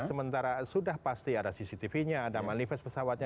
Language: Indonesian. sementara sudah pasti ada cctv nya ada manifest pesawatnya